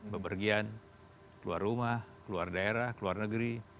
bepergian keluar rumah keluar daerah keluar negeri